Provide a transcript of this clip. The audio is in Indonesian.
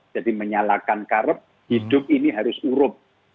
jadi menyalakan karep hidup ini harus urop